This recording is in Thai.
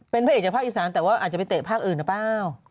เป็นพระเอกจากภาคอีสานแต่ว่าอาจจะไปเตะภาคอื่นหรือเปล่า